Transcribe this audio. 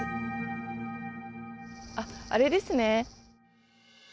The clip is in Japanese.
あっあれですね。